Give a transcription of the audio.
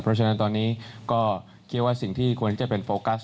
เพราะฉะนั้นตอนนี้ก็คิดว่าสิ่งที่ควรที่จะเป็นโฟกัส